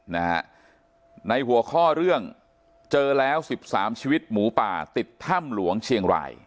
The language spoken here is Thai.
นะฮะในหัวข้อเรื่องเจอแล้วสิบสามชีวิตหมูป่าติดถ้ำหลวงเชียงราย